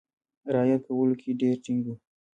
رعایت کولو کې ډېر ټینګ وو.